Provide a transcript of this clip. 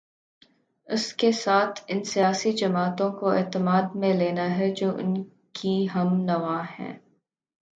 اس کے ساتھ ان سیاسی جماعتوں کو اعتماد میں لینا ہے جو ان کی ہم نوا ہیں۔